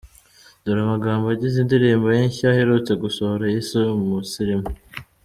Dore amagambo agize indirimbo ye nshya aherutse gusohora yise Umusirimu .